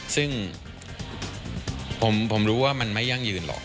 ซึ่งผมรู้ว่ามันไม่ยั่งยืนหรอก